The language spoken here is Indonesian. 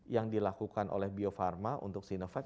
yang dilakukan oleh bio farma untuk sinovac